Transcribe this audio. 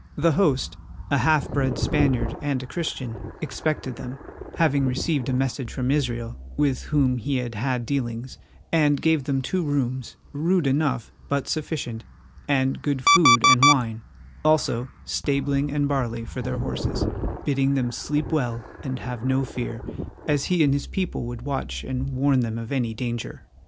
The host, a half bred Spaniard and a Christian, expected them, having received a message from Israel, with whom he had had dealings, and gave them two rooms, rude enough, but sufficient, and good food and wine, also stabling and barley for their horses, bidding them sleep well and have no fear, as he and his people would watch and warn them of any danger.